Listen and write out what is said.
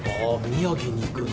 宮城に行くんだ。